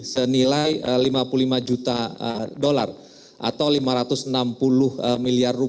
senilai rp lima puluh lima juta dolar atau rp lima ratus enam puluh miliar